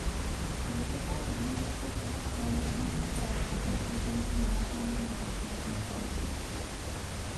গতকাল বৃহস্পতিবার ট্রলারডুবির পর এখন পর্যন্ত নয়জনের লাশ উদ্ধার করা হলো।